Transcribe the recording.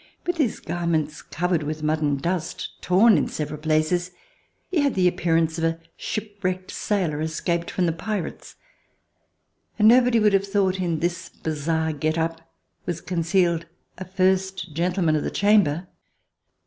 With his garments covered with mud and dust, torn in several places, he had the appearance of a shipwrecked sailor, escaped from the pirates, and nobody would have thought that in this bizarre get up was concealed a first gentleman of the Chamber.